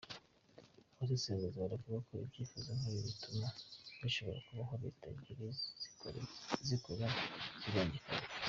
Abasesenguzi baravuga ko ibyifuzo nk'ibi bituma bishoboka ko habaho leta ebyiri zikora zibangikanye.